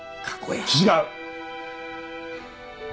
違う！